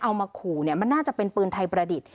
เอามาขู่เนี่ยมันน่าจะเป็นปืนไทยประดิษฐ์